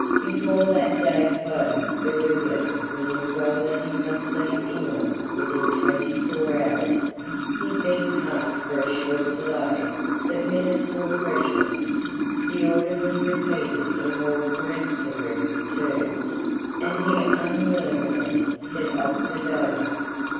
Before that day closed Barillon was informed that he must leave England within twenty four hours. He begged hard for a short delay: but minutes were precious; the order was repeated in more peremptory terms; and he unwillingly set off for Dover.